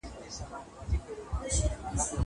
زه به سبا لوښي وچوم.